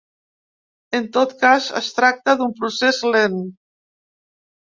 En tot cas, es tracta d’un procés lent.